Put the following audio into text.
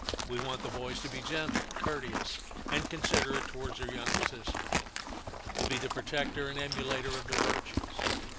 We want the boys to be gentle, courteous, and considerate towards their younger sisters; to be the protector and emulator of their virtues.